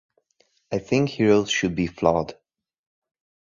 I think heroes should be flawed.